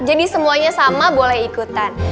jadi semuanya sama boleh ikutan